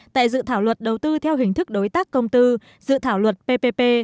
tại dự thảo luật đầu tư theo hình thức đối tác công tư dự thảo luật ppp